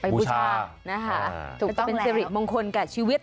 บูชานะฮะถูกต้องแล้วมงคลกับชีวิต